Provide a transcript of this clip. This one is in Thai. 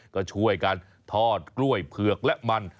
ก็ช่วยกันทอดกล้วยเผือกและมัน